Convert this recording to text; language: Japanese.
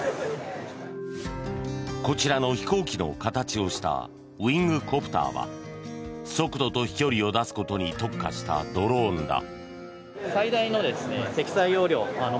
こちらの飛行機の形をしたウイングコプターは速度と飛距離を出すことに特化したドローンだ。